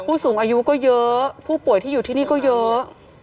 ผู้สูงอายุก็เยอะผู้ป่วยที่อยู่ที่นี่ก็เยอะ